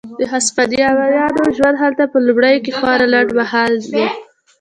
د هسپانویانو ژوند هلته په لومړیو کې خورا لنډ مهاله و.